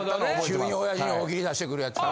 急に親父に大喜利出してくるやつ。